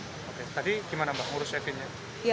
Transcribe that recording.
oke tadi gimana mbak ngurus e filingnya